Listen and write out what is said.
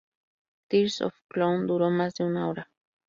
Tears of a Clown duró más de una hora.